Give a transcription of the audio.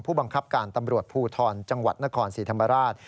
ผู้บังคับการตำรวจภูทรจนศรีธรรมราช